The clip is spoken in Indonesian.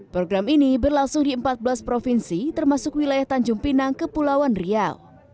program ini berlangsung di empat belas provinsi termasuk wilayah tanjung pinang kepulauan riau